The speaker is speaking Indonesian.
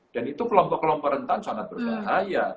itu kelompok kelompok rentan sangat berbahaya